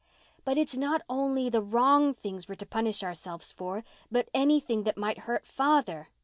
"But it's not only the wrong things we're to punish ourselves for, but anything that might hurt father."